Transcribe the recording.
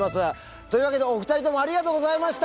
というわけでお二人ともありがとうございました！